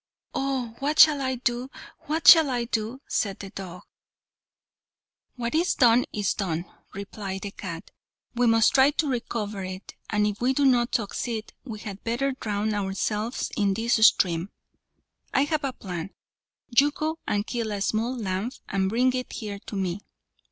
"Oh! what shall I do? what shall I do?" said the dog. "What is done is done," replied the cat. "We must try to recover it, and if we do not succeed we had better drown ourselves in this stream. I have a plan. You go and kill a small lamb, and bring it here to me."